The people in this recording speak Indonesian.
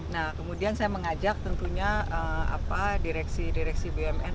nah kemudian saya mengajak tentunya direksi direksi bumn